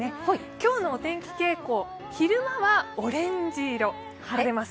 今日のお天気傾向、昼間はオレンジ色、晴れます。